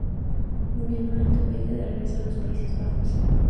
Murió durante un viaje de regreso a los Países Bajos.